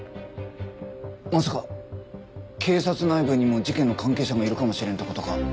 まさか警察内部にも事件の関係者がいるかもしれんって事か？